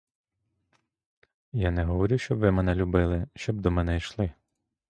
Я не говорю, щоб ви мене любили, щоб до мене йшли.